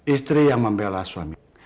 istri yang membela suami